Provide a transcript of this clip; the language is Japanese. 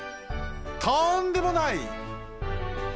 とんでもない！